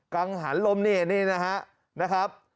กลางหันลมเนี่ยนะครับ